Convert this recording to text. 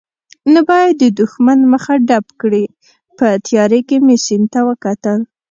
نو باید د دښمن مخه ډب کړي، په تیارې کې مې سیند ته وکتل.